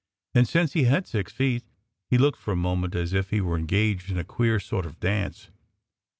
And since he had six feet, he looked for a moment as if he were engaged in a queer sort of dance.